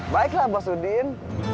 baiklah bos udin